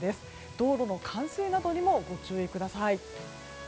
道路の冠水などにもご注意ください。